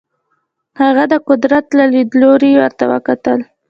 هغه د قدرت له لیدلوري ورته وکتل.